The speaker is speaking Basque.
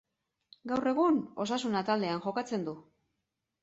Gaur egun, Osasuna taldean jokatzen du.